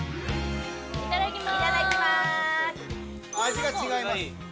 ・味が違います。